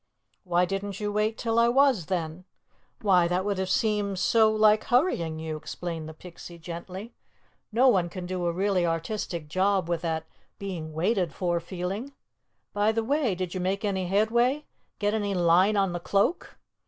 "Why didn't you wait till I was, then?" "Why, that would have seemed so like hurrying you," explained the Pixie, gently. "No one can do a really artistic job with that being waited for feeling. By the way, did you make any headway? Get any line on the cloak?"